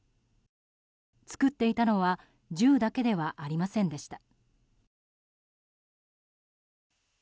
作っていたのは銃だけではありませんでした。